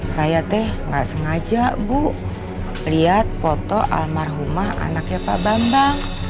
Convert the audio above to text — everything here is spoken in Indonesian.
saya teh nggak sengaja bu lihat foto almarhumah anaknya pak bambang